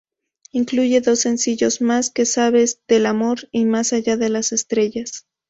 Incluye dos sencillos más: "Que sabes del amor" y "Más allá de las estrellas".